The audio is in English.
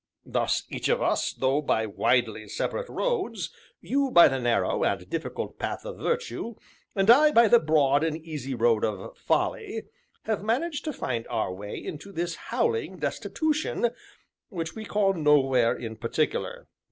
Thus each of us, though by widely separate roads you by the narrow and difficult path of Virtue, and I by the broad and easy road of Folly have managed to find our way into this Howling Destitution, which we will call Nowhere in Particular.